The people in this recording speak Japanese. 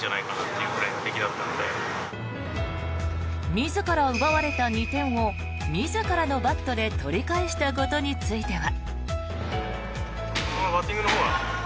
自ら奪われた２点を自らのバットで取り返したことについては。